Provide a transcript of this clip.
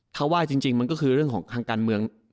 ถ้าว่าจริงมันก็คือเรื่องของทางการเมือง